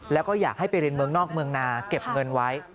แล้วก็อยากให้ไปเรียนเมืองนอกเมืองนาเก็บเงินไว้